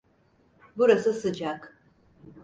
Burası sıcak.